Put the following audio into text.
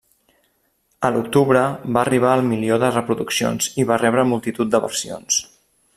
A l'octubre va arribar al milió de reproduccions i va rebre multitud de versions.